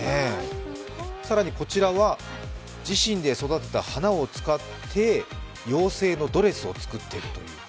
更にこちらは、自身で育てた花を使って妖精のスカートを作っている。